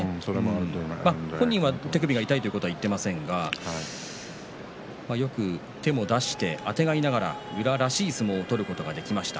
本人は手首が痛いということは言っていませんがよく手も出してあてがいながら宇良らしい相撲を取ることができました。